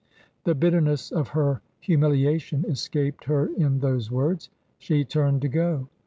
The bitterness of her humiliation escaped her in those words. She turned to go.